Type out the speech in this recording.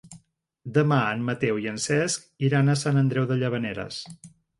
Demà en Mateu i en Cesc iran a Sant Andreu de Llavaneres.